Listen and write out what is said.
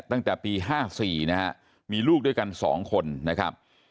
ตั้งแต่ปี๕๔นะฮะมีลูกด้วยกัน๒คนนะครับ